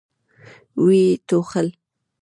ويې ټوخل.